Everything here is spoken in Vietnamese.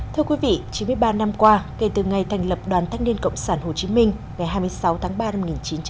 thưa quý vị chín mươi ba năm qua kể từ ngày thành lập đoàn thanh niên cộng sản hồ chí minh ngày hai mươi sáu tháng ba năm một nghìn chín trăm bảy mươi